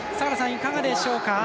いかがでしょうか。